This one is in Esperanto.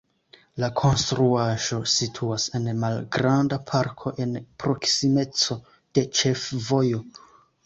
La konstruaĵo situas en malgranda parko en proksimeco de ĉefvojo.